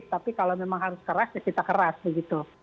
tapi kalau memang harus keras ya kita keras begitu